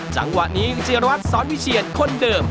จังหวะนี้จิรวัตรสอนวิเชียนคนเดิม